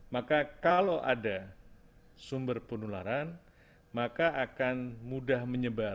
maka kalau ada sumber penularan maka akan mudah menyebar